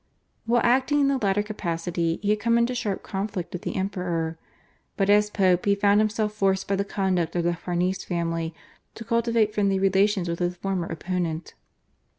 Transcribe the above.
While acting in the latter capacity he had come into sharp conflict with the Emperor, but as Pope he found himself forced by the conduct of the Farnese family to cultivate friendly relations with his former opponent.